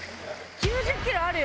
９０キロあるよ？